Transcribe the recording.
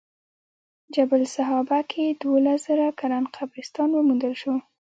جبل سحابه کې دولس زره کلن قبرستان وموندل شو.